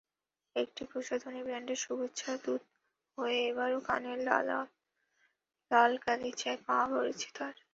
একটি প্রসাধনী ব্র্যান্ডের শুভেচ্ছাদূত হয়ে এবারও কানের লালগালিচায় পা পড়েছে তাঁর।